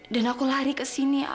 dan aku lari kesini